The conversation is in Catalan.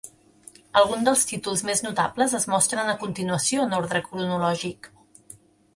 Alguns dels títols més notables es mostren a continuació en ordre cronològic.